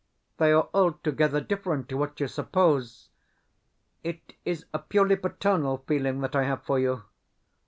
They are altogether different to what you suppose. It is a purely paternal feeling that I have for you.